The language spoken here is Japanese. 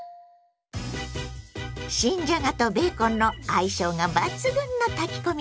新じゃがとベーコンの相性が抜群の炊き込みご飯です。